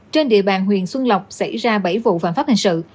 trên địa bàn huyện xuân lộc xảy ra bảy vụ phạm pháp hình sự